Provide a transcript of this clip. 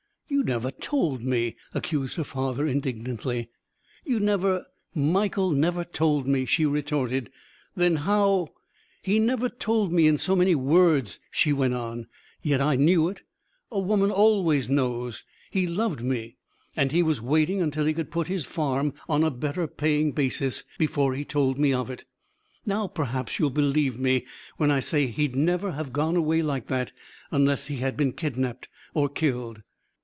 "You never told me!" accused her father indignantly. "You never " "Michael never told me," she retorted. "Then how " "He never told me in so many words," she went on. "Yet I knew it. A woman always knows. He loved me. And he was waiting until he could put his farm on a better paying basis before he told me of it. Now, perhaps, you'll believe me when I say he'd never have gone away like that unless he had been kidnapped or killed."